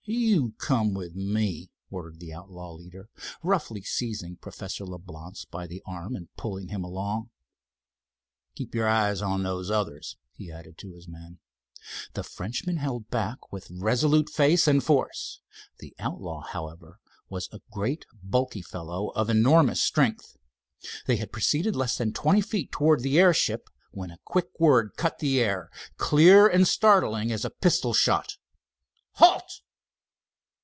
"You come with me," ordered the outlaw leader, roughly seizing Professor Leblance by the arm and pulling him along. "Keep your eyes on those others," he added, to his men. The Frenchman held back with resolute face and force. The outlaw, however, was a great, bulky fellow of enormous strength. They had proceeded less than twenty feet towards the airship, when a quick word cut the air, clear and startling as a pistol shot. "Halt!"